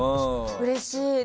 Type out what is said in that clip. うれしい。